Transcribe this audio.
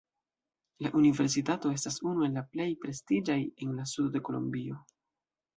La universitato estas unu el la plej prestiĝaj en la sudo de kolombio.